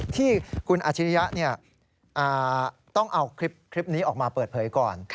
ที่คุณอาชิริยะต้องเอาคลิปนี้ออกมาเปิดเผยก่อน